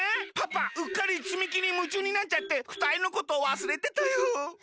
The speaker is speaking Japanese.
パパうっかり積み木にむちゅうになっちゃってふたりのことわすれてたよ。